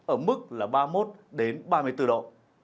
ở mức là ba mươi một ba mươi bốn độ